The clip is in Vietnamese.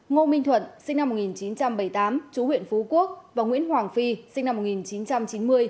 ngô minh thuận sinh năm một nghìn chín trăm bảy mươi tám chú huyện phú quốc và nguyễn hoàng phi sinh năm một nghìn chín trăm chín mươi